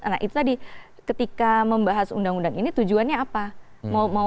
nah itu tadi ketika membahas undang undang ini tujuannya apa